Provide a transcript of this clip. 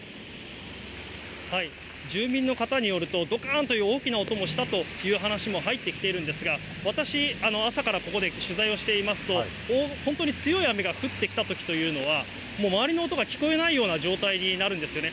住民の方によると、どかーんという大きな音もしたという話も入ってきているんですが、私、朝からここで取材をしていますと、本当に強い雨が降ってきたときというのは、もう周りの音が聞こえないような状態になるんですよね。